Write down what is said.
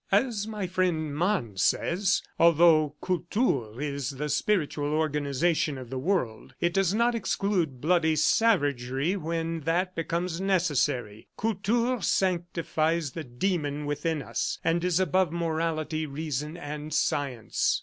As my friend Mann says, although Kultur is the spiritual organization of the world, it does not exclude bloody savagery when that becomes necessary. Kultur sanctifies the demon within us, and is above morality, reason and science.